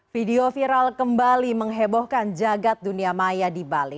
video viral kembali menghebohkan jagad dunia maya di bali